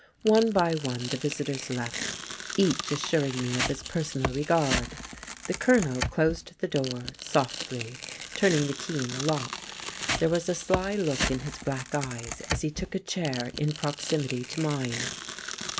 One by one the visitors left, each assuring me of his personal regard: the Colonel closed the door, softly, turning the key in the lock; there was a sly look in his black eyes as he took a chair in proximity to mine.